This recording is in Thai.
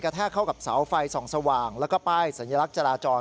แทกเข้ากับเสาไฟส่องสว่างแล้วก็ป้ายสัญลักษณ์จราจร